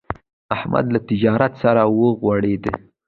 احمد له تجارت سره وغوړېدا.